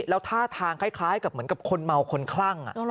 แล้วท่าทางคล้ายกับเหมือนกับคนเมาคนคลั่ง